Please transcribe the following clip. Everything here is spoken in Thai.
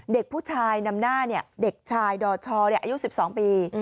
เด็กผู้ชายนำหน้าเนี่ยเด็กชายดอร์ชอร์เนี่ยอายุ๑๒ปี